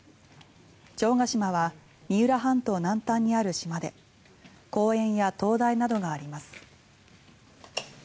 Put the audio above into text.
城ケ島は三浦半島南端にある島で公園や灯台などがあります。